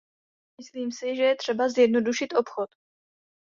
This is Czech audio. Myslím si, že je třeba zjednodušit obchod.